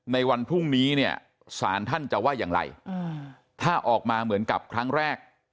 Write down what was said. ในวันพรุ่งนี้เนี่ยศาลท่านจะว่าอย่างไรถ้าออกมาเหมือนกับครั้งแรก